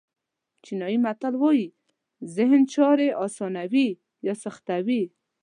چینایي متل وایي ذهن چارې آسانوي یا سختوي.